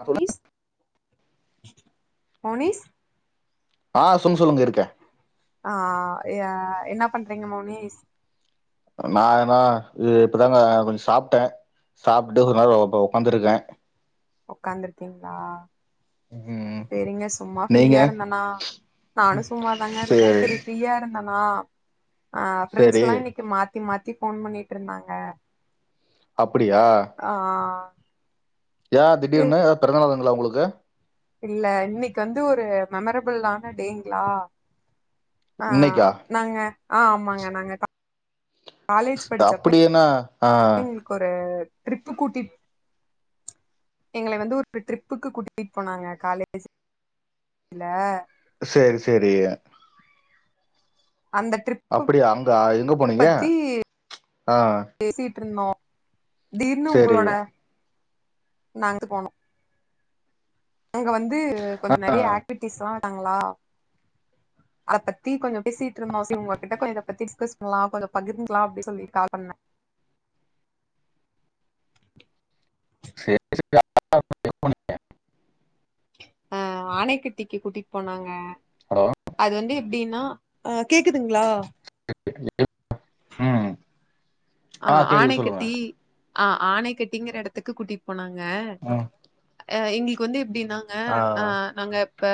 ஆ முனீஸ் மோனிஸ் ஆ சொல்லுங்க சொல்லுங்க இருக்க ஆ ஆ என்ன பண்றீங்க மோனிஷ் நானா இ இப்பதா கொஞ்சோ சாப்ட்ட சாப்ட்டு கொஞ்ச நேரோ உக்காந்துருக்க உக்காந்துருக்கீங்களா ம் சேரிங்க சும்மா நீங்க ஃப்ரீயா இருந்தனா நானு சும்மாதாங்க இருக்க சேரி சரி ஃப்ரீயா இருந்தேனா அ ஃப்ரெண்ட்ஸ் சேரி எல்லா இன்னைக்கு மாத்தி மாத்தி ஃபோன் பண்ணிட்டு இருந்தாங்க அப்டியா ஆ ஏன் சே திடீர்னு எதாது பெறந்த நாளுங்களா உங்களுக்கு இல்ல இன்னைக்கு வந்து ஒரு மெமரபில்லான டேங்களா ஆ இன்னைக்கா நாங்க ஆ ஆமாங்க நாங்க காலேஜ் படிச்சப்ப அப்படியன்னா ஆ எங்களுக்கு ஒரு ட்ரிப்பு கூட்டி எங்கள வந்து ஒரு ட்ரிப்புக்கு கூட்டிட்டு போனாங்க காலேஜ்ல சேரி சேரி அந்த டிரிப் அப்படியா அங்க எங்க போனீங்க ஆ பேசிட்டு இருந்தோ திடீர்னு சேரி உங்களோட நடந்து போனோ அங்க வந்து கொஞ்சோ நெறைய ஆக்டிவிட்டிஸ் எல்லா வச்சாங்களா அத பத்தி கொஞ்சோ பேசிட்டு இருந்தோ சி உங்ககிட்ட இத பத்தி டிஸ்கஸ் பண்ணலா கொஞ்சோ பகிர்ந்துகலா அப்டி சொல்லி கால் பண்ண சேரி சேரி [inaudible] அ ஆனைக்கட்டிக்கு கூட்டிட்டு போனாங்க ஹலோ அது வந்து எப்டின்னா அ கேக்குதுங்களா [inaudible] ம் ஆ கேக்குது சொல்லுங்க ஆனைக்கட்டி ஆ ஆனைக்கட்டிங்கிற இடத்துக்கு கூட்டிட்டு போனாங்க ம் அ எங்களுக்கு வந்து எப்டின்னாங்க ஆ நாங்க இப்ப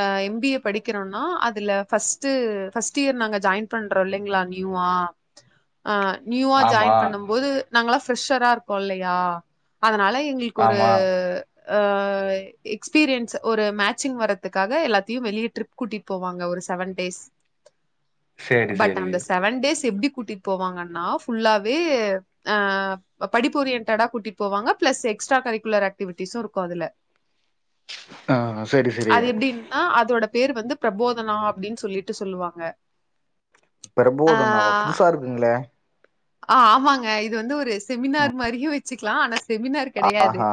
அ எம் பி ஏ படிக்கிறோனா அதுல ஃபர்ஸ்ட்டு ஃபஸ்ட் இயர் நாங்க ஜாயின் பன் றோ இல்லைங்ளா நியூவா நியூவா ஆமா ஜாயின் பண்ணும்போது நாங்களா பிரெஷரா இருக்கோ இல்லயா அதனால எங்களுக் கொரு ஆமா அ எக்பீரியன்ஸ் ஒரு மேச்சிங் வறதுக்காக எல்லாத்தயு வெளிய ட்ரிப் கூட்டிட்டு போவாங்க ஒரு செவன் டேஸ் சேரி பட் சேரி அந்த செவன் டேஸ் எப்டி கூட்டிட் போவாங்கன்னா ஃபுல்லாவே அ இப்ப படிப்பு ஓரியன்ட்டா கூட்டிட்டு போவாங்க பிளஸ் எக்ஸ்ட்ரா கரிக்குலர் ஆக்டிவிட்டிஸு இருக்கு அதுல ஆ செரி செரி ஆ அதோட பேரு வந்து பிரபோதனா அப்டின்னு சொல்லிட்டு சொல்லுவாங்க ஆ பிரபோதன்னாவா புதுசா இருக்குங்களே ஆ ஆமாங்க இது வந்து ஒரு செமினார் மாரியு வச்சுக்லா ஆனா செமினார் கெடையாது ஆஹா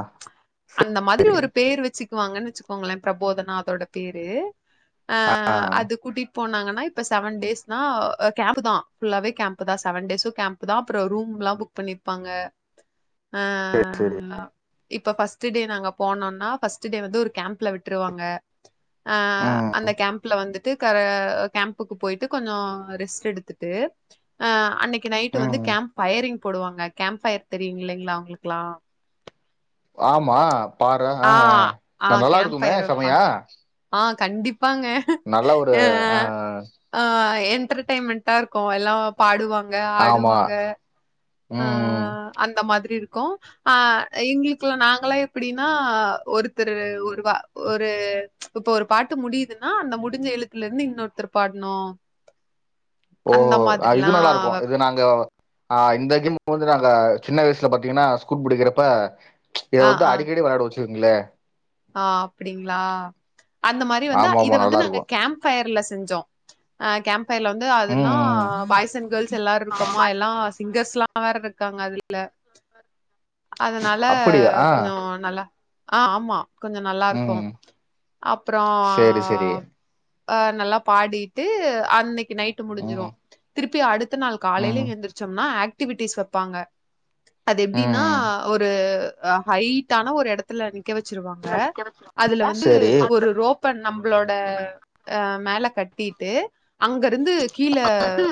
அந்த மாரி ஒரு பேர் வெச்சு க்குவாங்கன்னு வச்சுக்கோங்களே பிரபோதனா அதோட பேரு அ அது கூட்டிட் போனாங்கன்னா இப்ப செவன் டேஸ்னா கேம்ப் தா ஃபுல்லாவே கேம்ப் தா செவன் டேஸு கேம்ப் தா அப்பறோ ரூம்ல்லா புக் பண்ணிருப்பாங்க அ இப்ப ஃபர்ஸ்ட் டே நாங்க போனோனா ஃபர்ஸ்ட் டே வந்து ஒரு கேம்ப்ல விட்டுருவாங்க ஆ அந்த கேம்ப்ல வந்துட் டு க கேம்ப்க்கு போய்ட்டு கொஞ்சோ ரெஸ்ட் எடுத்துட்டு அ அன்னைக்கு நை ட்டு வந்து ம் கேம்ப் ஃபயரிங் போடுவாங்க கேம்ப் ஃபயர் தெரியு இல்லைங்ளா உங்களுக்லா ஆமா பார்றா ஆ ஆ ஆ ந நல்லா கேம்ப் இருக்குமே ஃபயர் வைப்பாங்க செமையா ஆ கண்டிப்பாங்க நல்ல ஒரு அ அ ஆ ஆ என்டர்டெய்ன்மெண்டா இருக்கு எல்லா பாடுவாங்க ஆமா ஆடுவாங்க ஆ ம் அந்த மாதிரி இருக்கு ஆ எங்களுக்குலா நாங்களா எப்டினா ஒருத்தரு ஒருவா ஒரு இப்ப ஒரு பாட்டு முடியுதுன்னா அந்த முடிஞ்ச எழுத்துல இருந்து இன்னொருத்தர் பாட்னு ஓ இது நல்லா இருக்கு வப் இது நாங்க ஆ இந்த கேம்க்கு வந்து நாங்க சின்ன வயசுல பாத்தீங்கனா ஸ்கூல் படிக்கிறப்ப இத ஆ, வந்து ஆ, அடிக்கடி வெளாடவோ வச்சுக்கங்ளே ஆ அப்டிங்களா அந்த மாரி வந்து ஆமா இத ஆமா வந்து நல்லா நாங்க இருக்கு கேம்ப் ஃபயர்ல செஞ்சோ கேம்ப் ல வந்து ம் அதுல்லா ம் பாய்ஸ் அண்ட் கேர்ள்ஸ் எல்லாரு இருக்கமா எல்லா சிங்கர்ஸ்லா வேற இருக்காங்க அதுல அதனால அப்படியா ஆ கொஞ்சோ நல்லா ஆ ஆமா கொஞ்சோ நல்லா இருக்கு ம் அப்றோ சேரி சேரி அ நல்லா பாடிட்டு அன்னைக்கு நைட்டு முடிஞ்சிரு ம் திருப்பி அடுத் த்த நாள் காலைல ம் எந்திரிச்சோனே ஆக்டிவிட்டிஸ் வெப்பாங்க அது எப்டின்னா ம் ஒரு ஹைட்டான ஒரு எடத்துல நிக்க வெச்சிருவாங் க அதுல வந்து சேரி ஒரு ரோப் ப்ப நம்மளோட அ மேல கட்டிட்டு அங்கருந்து கீழ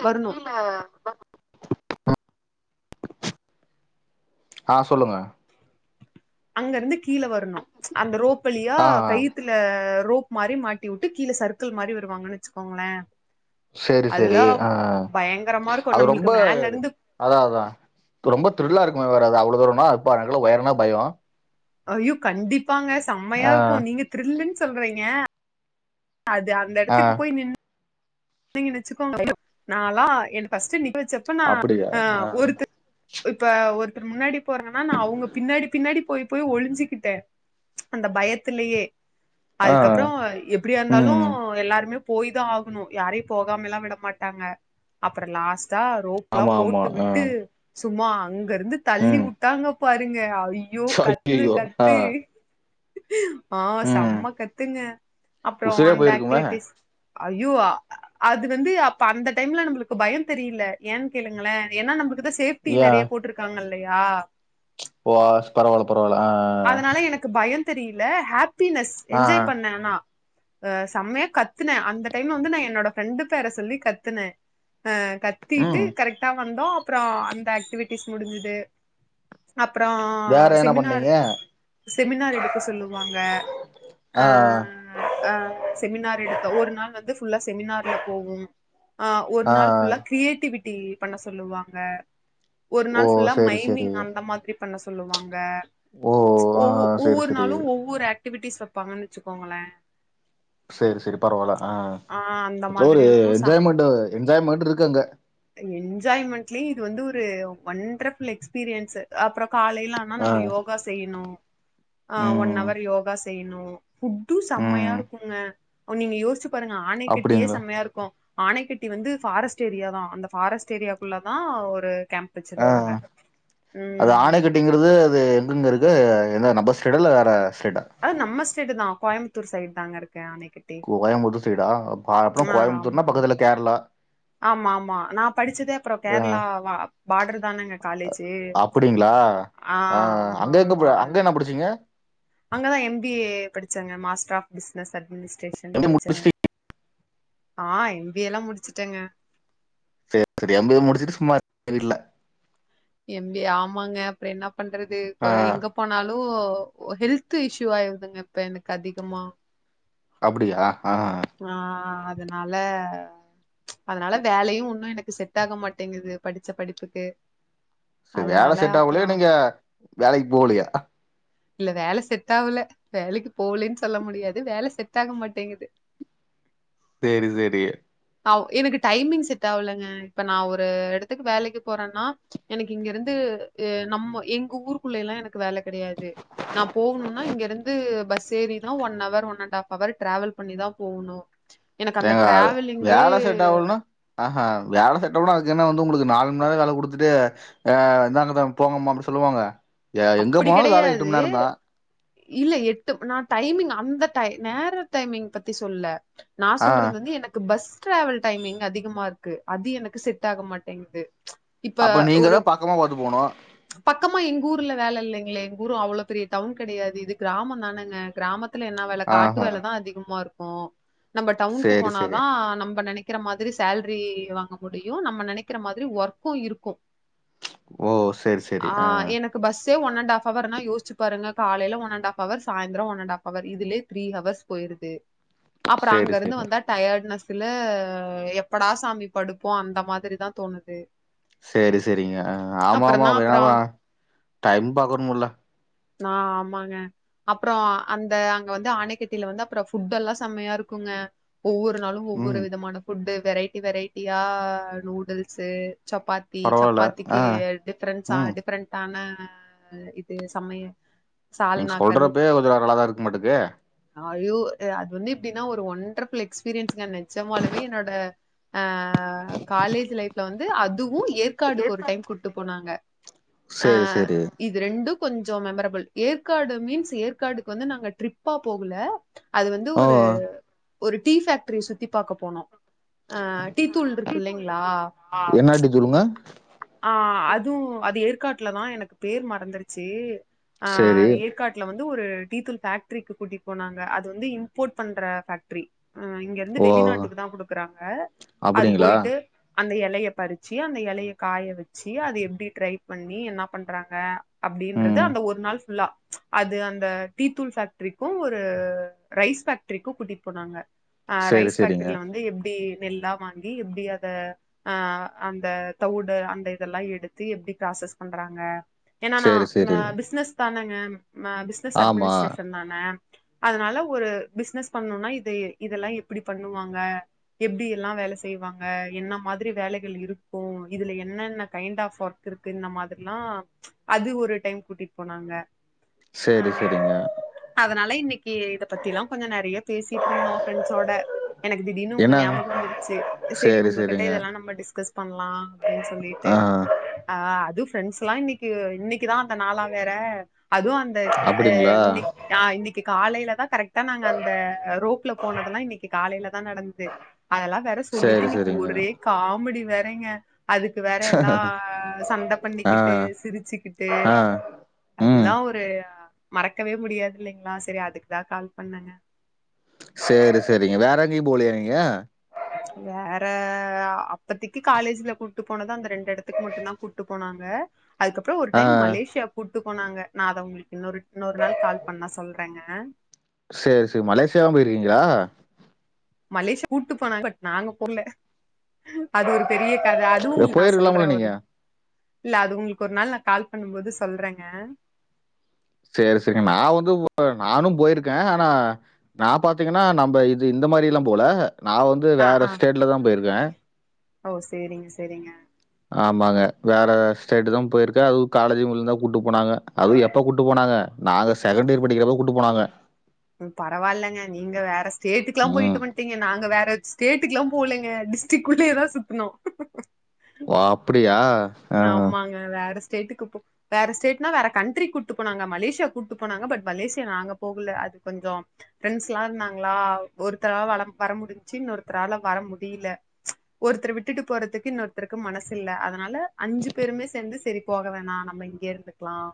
வர்னு ஆ சொல்லுங்க அங்க இருந்து கீழே வர்னு அந்த ரோப்பலியா ஆ ஆ கை த்துல மாட்டி உட்டு கீழே சரக்கிள் மாரி வருவாங்கனு வச்சுக்கோங்ளே சேரி சேரி ஆ பயங்கரமா இருக்கு அது ரொம்ப நம்மளுக்கு மேல இருந்து அதா அதா ரொம்ப த்ரில்லா இருக்குமே வேறது அவ்ளோ தூரனா அப்ப அ எனக்குலா உயரனா பயோ ஐயோ கண்டிப்பாங்க செம்மையா ஆ இருக்கு நீங்க திரில்லுன்னு சொல்றீங்க அது அ இந்த ஆ இடத்துக்கு போய் நின் னிங்க வச்சுக்கோங்கள நாலா எனக்கு ஃபஸ்ட் நிக்கவச்சப்ப நா ஆ ஒருத்த இப்ப ஒருத்தர் முன்னாடி போறான்னா நா அவுங்க பின்னாடி பின்னாடி போய் போய் ஒழிஞ்சுக்கிட்டே அந்த பயத்திலேயே ஆ அதுக்கப்றோ எப்டியா இருந்தாலு ம் எல்லாருமே போய் தா ஆகணு யாரையு போகாம எல்லா விட மாட்டாங்க அப்றோ லாஸ்ட்டா ரோப் எல்லா ஆமா ஆமா போட்டு ஆ விட்டு சும்மா அங்க இருந்து தள்ளி ம் வுட்டாங்க பாருங்க ஐயோ கத்துன்ன ஐயையோ ஆ கத்து ஆ ம் செம்ம கத்துங்க அப்றோ உசுரே அந்த போயிருக்குமே ஆக்டிவிட்டிஸ் அய்யோ ஆ அது வந்து அப்ப அந்த டைம்ல நம்மளுக்கு பயோ தெரியல ஏன்னு கேளுங்களே ஏனா நம்ளுக்குதா சேஃப்டி ஏ நெறைய போட்டிருக்காங்க இல்லயா ஓ ஆஸ் பரவால பரவாயில்ல ஆ அதனால எனக்கு பயோ தெரியல ஹாப்பினஸ் ஆ என்ஜாய் பண்ணே ஆனா அ செம்மையா கத்துனே அந்த டைம்ல வந்து நா என்னோட ஃப்ரெண்டு பேரை சொல்லி கத்துனே ஆ கத் திட்டு ம் கரெக்டா வந்தோ அப்ற அந்த ஆக்டிவிட்டிஸ் முடிஞ்சுது அப்றோ வேற என்ன பண்ணீங்க செமினாரு செமினார் எடுக்க சொல்லுவாங்க ஆ ஆ செமினார் எடுத்தோ ஒரு நாள் வந்து ஃபுல்லா செமினார்ல போவும் ஆ ஒரு நாள் ஃபுல்லா கிரியேட்டிவிட்டி பண்ண சொல்லுவாங்க ஒரு ஓ நாள் ஃபுல்லா சேரி சேரி மைனிங் அந்த மாரி பண்ண சொல்லுவாங்க ஓ ஆ ஒவ்வொ சேரி ஒவ்வொரு சேரி நாளு ஒவ்வொரு ஆக்டிவிட்டிஸ் வைப்பாங்கன்னு வச்சுக்கோங்களே சேரி சேரி பரவாயில்ல ஆ அந்த ஏதோ மாதிரி ஒரு இருக்கு சா என்ஜாய்மெண்ட் என்ஜாய்மெண்ட் இருக்கு அங்க என்ஜாய்மெண்ட்லயே இது வந்து ஒரு ஒண்டர்ஃபுல் எக்ஸ்பீரியன்ஸ் அப்றோ காலைல்லா ஆ நம்ம யோகா செய்யனு ஒன் ம் ஹவர் யோகா செ செய்யணு ஃபுட்டு செம்மையா ம் இருக்குங்க நீங்க யோசிச் பாருங்க ஆணை கட்டியே அப்டிங்களா செம்மையா இருக்கு ஆணைக்கட்டி வந்து ஃபாரஸ்ட் ஏரியா தா அந்த ஃபாரஸ்ட் ஏரியாக்குள்ள தா ஒரு கேம்ப் ஆ வச்சிருந்தாங்க அது ஆணை ம் கட்டிங்குறது அது எங்கங்க இருக் கு எந்த நம்ப ஸ்டேட்டா இல்ல வேற ஸ்டேட்டா அ நம்ம ஸ்டேட்டு தா கோயம்புத்தூர் சைட் தாங்க இருக்கே ஆணை கட் கோயம்புத்தூர் சைடா அப்றோ கோயம்பத்தூர்னா ஆமாங்க பக்கத்துல கேரளா ஆமா ஆமா நா படிச்சதே அப்றோ ஆ கேரளா பார்டர் தானங்க காலேஜு அப்டிங்களா ஆ ஆமா அங்க எங்க ப ஆமா அ அங்க என்ன படிச்சீங்க அங்கதா எம் பி ஏ படிச்சங்க master of business administration M A படிச்சங்க முடிச்சுட்டு ஆ எம் பி ஏ எல்லா முடிச்சுட்டேங்க சேரி சேரி எம் பி ஏ முடிச்சுட்டு சும்மா இருக்கிங்க வீட்ல எம் பி ஏ ஆமாங்க அப்றோ என்ன பண்றது கோ ஆ எங்க போனாலு ஒ ஹெல்த் இஷ்யூ ஆயிருதுங்க இப்ப எனக்கு அதிகமா அப்டியா ஆ ஆ ஆ அதனால அதனால வேலையு ஒன்னு எனக்கு செட் ஆக மாட்டேங்கிது படிச்ச படிப்புக்கு சேர் வேல அதனால செட்டாவலியா அப்புறம் நீங்க வேலைக்கு போகலியா இல்ல வேல செட் ஆவல வேலைக்கு போலென் சொல்ல முடியாது வேல செட் ஆக மாட்டேங்கிது சேரி சேரி ஆவ் எனக்கு டைமிங் செட் ஆவலங்க இப்ப நா ஒரு எடத்துக்கு வேலைக்கு போறேன்னா எனக்கு இங்க இருந்து அ நம்ம எங்க ஊருக்குள்ள எல்லா எனக்கு வேல கிடையாது நா போகணுனா இங்கிருந்து பஸ் ஏறிதா one hour one and a half hour travel பண்ணிதா போணோ ஏங்க அது வேல செட் ஆவுல்னா ஆஹா வேல செட்டாவ்ல்னா அதுக்கு என்ன வந்து உங்குளுக்கு நாலு மண் நேரோ வேல குடுத்துட்டு ஆ இந்தாங்க தம் போங்கம்மா அப்புடி சொல்லுவாங்க எ எங்கே அப்டி போனாலோ வேல எட்டு கெடையாது மணி நேரந்தா இல்ல எட்டு நா டய்மிங் அந்த டை நேர டைமிங் பத்தி சொல்ல நா ஆ சொல்றது வந்து எனக்கு பஸ் டிராவல் டைமிங் அதிகமா இருக்கு அது எனக்கு செட் ஆக மாட்டேங்கிது இப்ப அப்ப நீங்க ஒரு தா பக்கமா பாத்து போனு பக்கமா எங்கூர் ல வேல இல்லிங்ளே எங் ஊரு அவ்ளோ பெரிய டவுன் கெடையாது இது கிராமோ தானங்க கிராமத் துல என்ன வேல காட்டு ஆஹா வேலதா அதிகமா இருக்கு நம்ப டவுன்க்கு சேரி போனா சேரி தா நம்ப நெனைக் கிற மாதிரி சேல்ரி வாங்க முடியு நம்ம நெனைக்கிற மாதிரி ஒர்க்கு இருக்கோ ஓ சேரி சேரி ஆ எனக் கு பஸ்சே ஒன்னண்டாஃப் அவர்னா யோஸ்சி பாருங்க காலையில ஒன்னண்டாஃப் அவர் சாய்ந்ரோ ஒன்னண்டாஃப் அவர் இதுலியே த்ரீ ஹவர்ஸ் போயிருது அப்பறோ அங்க சேரி இருந்து சேரி வந்தா டயாட்னஸ்ஸுல எப்படா சாமி படுப்போ அந்த மாதிரிதா தோணுது செரி செரிங்க ஆமா ஆமா அப்புறந்தா அப்பய யம அப்புறோ டைம் பாக்குனுமுல்ல ஆ ஆமாங்க அப்றோ அந்த அங்க வந்து ஆனைக்கட்டில வந்து அப்றோ ஃபுட்டல்லா செம்மையா இருக்குங்க ஒவ்வொரு நாளு ஒவ்வொரு ம் விதமான ஃபுட்டு வெரைட்டி வெரைட்டியா நூடுல்ஸு சப்பாத் தி பரவால்ல ஆ சப்பாத்திக்கு டிஃப்ரென்ஸா ம் டிஃப்ரெண்டான இது சமை நீங்க சொல்றப்பே கொஞ்ச நல்லாதா இருக்கமாட்டுக்கே அயோ அ அது வந்து எப்டினா ஒரு ஒண்ட்ருஃபுல் எக்ஸ்பீரியன்ஸ்ங்க நெஞ்சமாலுமே என்னோட ஆ காலேஜு லைஃப்ல வந்து அதுவு ஏற்காடுக்கு ஒரு டைம் கூட்டு போனாங்க ஆ சேரி சேரி இது ரெண்டு கொஞ்சோ மெமரபில் ஏற்காடு மீன்ஸ் ஏற்காடுக்கு வந்து நாங்க ட்ரிப்பா போகல அது வந்து ஓ ஒரு ஒரு டீ பேஃக்ட்ரி சுத்தி பாக்க போனோ அ டீ தூள் ட்ருக்கு இல்லைங்ளா என்ன டீ தூளுங்க ஆ அதுவு அது ஏற்காட்ல தா எனக்கு பேரு மறந்துருச்சி ஆ சேரி ஏற் காட்ல வந்து ஒரு டீ தூள் ஃபேக்ட்ரிக்கு கூட்டிட்போனாங்க அது வந்து இன்ம்போட் பண்ற ஃபேக்ட்ரி அ இங்க ந்து ஓ வெளிநாட்டுக்குதா குடுக்கறாங்க அது அப்படிங்களா போயிட்டு அந்த எலைய பறிச்சு அந்த எலைய காய வெச்சி அது எப்டி ட்ரை பண்ணி என்னாப் பண்றாங்க அப்டின்றது ம் அந்த ஒரு நாள் ஃபுல்லா அது அந்த டீத்தூள் ஃபேக்ட்ரிக்கு ஒரு ரைஸ் ஃபேக்ட்ரிக்கு கூட்டிட் போனாங்க ஆ சேரி ரைஸ் சேரிங்க ஃபேக்ட்ரில வந்து எப்டி நெல்லா வாங்கி எப்டி அத ஆ அந்த தவுடு அந்த இதெலா எடுத்து எப்டி ப்ராசஸ் பண்றாங்க ஏனா நா சேரி ந சேரி பிஸ்னஸ் தானேங்க அ பிஸ்னஸ் ஆமா அட்மினிஸ்ட்ரேஷன் தானே அதனால ஒரு பிஸ்னஸ் பண்ணுனா இது இதெலா எப்டி பண்ணுவாங்க எப்டியெல்லா வேல செய்வாங்க என்ன மாதிரி வேலைகள் இருக்கும் இதுல என்னென்ன கைண்ட் ஆஃப் ஒர்க்யிருக்கு இந்த மாதிர்ல்லாம் அது ஒரு டைம் கூட்டிட் போனாங்க செரி அஹ் செரிங்க அதனால இன்னிக்கி இத பத்திலா கொஞ்சோ நறையா பேசிட்ருந்தோம் ஃப்ரொண்ட்ஸோட எனக்கு திடீர்னு உங்க என்னங்க ஞாபகம் வந்துடுச்சு செரி சேரி உங்ககிட்ட சேரிங்க இதெல்லாம் நம்ப டிஸ்கஸ் பண்லாம் அப்டின் சொல்லிட்டு ஆ ஆ அது ஃப்ரெண்ட்ஸ்லா இன்னிக்கி இன்னிக்கிதான் அந்த நாலா வேற அதுவு அந் த ஆ அப்படிங்களா இன்னிக் ஆ இன்னிக்கு காலைல தான் கரெக்டா நாங்க அந்த ரோப்புல போனதெல்லாம் இன்னிக் கி காலையில தா நடந்தது அதல்லாம் வேற சொல்லிட்டு சேரி இன்னிக்கு சேரிங்க ஒரே காமெடி வேறெங்க அதுக்கு வேற எல்லா சண்ட ஆ பண்ணிக்கிட்டு சிரிச்சிக்கிட்டு ஆ ம் அதெல்லா ஒரு மறக்கவே முடியாது இல்லைங்களா சரி அதுக்குதான் கால் பண்ணங்க சேரி சேரிங்க வேற எங்கயும் போலியா நீங்க வேற அப்பதிக்கி காலேஜ்ல கூட்டு போனத அந்த ரெண்டு இடத்துக்கு மட்டு தான் கூட்டு போனாங்க அதுக்கப்புறோம் ஒரு ஆ டைம் மலேசியா கூட்டுக்போனாங்க நா அத உங்ளுக்கு இன்னொரு இன்னொரு நாள் கால் பண்ணா சொல்றங்க சேரி சேரி மலேசியாவும் போயிருக்கீங்ளா மலேசியா கூட்டு போனாங் பட் நாங்க போல அது ஒரு பெரிய கத அதுவுங நா உங்களுக்கு சொல்றே போயிருக்கலாம்ல ஒரு நீங்க நா இல்ல அது உங்களுக்கு ஒரு நாள் நா கால் பண்ணுபோது சொல்றேங்க சேரி சேரி நா வந்து நானு போயிருக்கேன் அனா நா பாத்தீங்கன்னா நம்ப இது இந்த மாரியெல்லாம் போல நா வந்து ஆ வேற ஆ ஸ்டேட்லதான் போயிருக்கேன் ஓ சேரிங்க சேரிங்க ஆமாங்க வேற ஸ்டேட் தான் போயிருக்கன் அது காலேஜ் மேல இருந்தான் கூட்டு போனாங்க அதுவும் எப்ப கூட்டு போனாங்க நாங்க செகண்ட் இயர் படிக்கிறப்ப கூட்டு போனாங்க பரவாயில்லங்க நீங்க வேற ஸ்டேட்டுக்குலாம் ம். போயிட்டு வன்ட்டீங்க நாங்க வேற ஸ்டேட்டுக்கெல்லாம் போலங்க டிஸ் டிக்குள்ளயே தான் சுத்துனோ ஓ அப்படியா ஆஹ. ஆமாங்க வேற ஸ்டேட்டுக்கு போ வேற ஸ்டேட்னா வேற கண்ட்ரி கூப்பிட்டு போனாங்க மலேசியா கூப்பிட்டு போனாங்க பட் மலேசியா நாங்க போகல அது கொஞ்சோம் ப்ரெண்ட்ஸ்லா இருந்தாங்களா ஒருத்தவ வர முடிஞ்ச்சு இன்னொருத்தரலா வர முடில ஒருத்தர விட்டுட்டு போறதுக்கு இன்னொருத்தருக்கு மனசு இல்ல அதனால அஞ்சு பேருமே சேந்து செரி போக வேணா நம்ப இங்கயே இருந்துக்கலாம்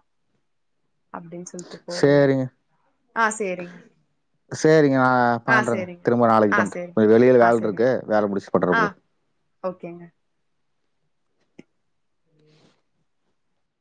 அப்டின்னு சொல்லிட்டு போகல ஆ சேரிங்க சேரிங்க நா ஆ பண்றன் சேரிங்க திரும்ப நாளைக்கு ஆ பண்ற சேரி கொஞ்ச வெளியில ஆ வேல சேரிங்க இருக்கு வேல முடிச் ஆ ஓகேங்க